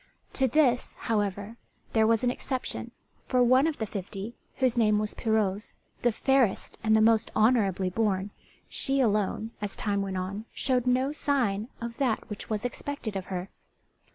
To this, however, there was an exception, for one of the fifty whose name was Pirouzè, the fairest and the most honourably born, she alone, as time went on, showed no sign of that which was expected of her.